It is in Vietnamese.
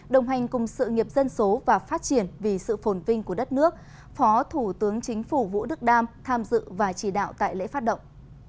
đồng hành cùng sự nghiệp dân số và phát triển vì sự phồn vinh của đất nước phó thủ tướng chính phủ vũ đức đam tham dự và chỉ đạo tại lễ phát động